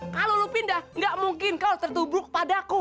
kalau lu pindah gak mungkin kau tertubruk padaku